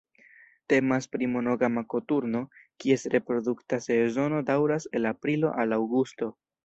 Temas pri monogama koturno, kies reprodukta sezono daŭras el aprilo al aŭgusto.